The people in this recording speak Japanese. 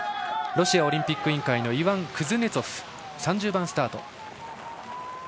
ロシアオリンピック委員会のイワン・クズネツォフ３０番スタート。